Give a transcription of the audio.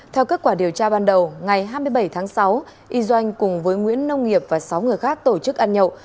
theo kết quả điều tra ban đầu ngày hai mươi bảy tháng sáu y doanh cùng với nguyễn nông nghiệp và sáu người khác tổ chức ăn nhậu